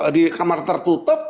di kamar tertutup